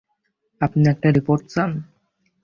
আপনি একটা রিপোর্ট চান।